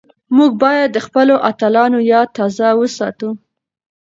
موږ بايد د خپلو اتلانو ياد تازه وساتو.